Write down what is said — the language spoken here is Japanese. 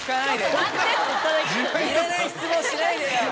いらない質問しないでよ。